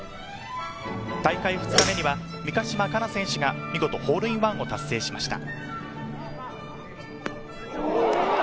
大会２日目には三ヶ島かな選手が見事、ホールインワンを達成しました。